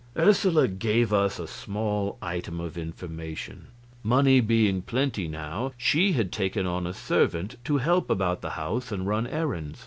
Ursula gave us a small item of information: money being plenty now, she had taken on a servant to help about the house and run errands.